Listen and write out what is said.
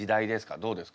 どうですか？